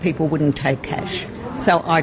orang orang tidak mengambil uang tunai